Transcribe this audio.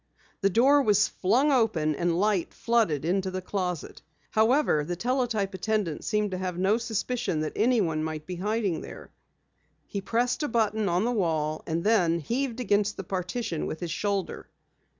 The door was flung open and light flooded into the closet. However, the teletype attendant seemed to have no suspicion that anyone might be hiding there. He pressed a button on the wall and then heaved against the partition with his shoulder.